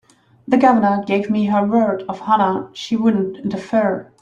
The Governor gave me her word of honor she wouldn't interfere.